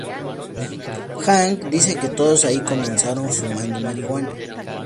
Hank dice que todos ahí comenzaron fumando marihuana.